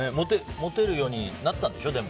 モテるようになったんでしょ？